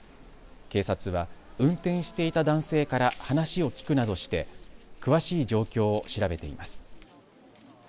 警察は運転していた男性から話を聞くなどして詳しい状況を調べています。